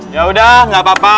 yaudah gak apa apa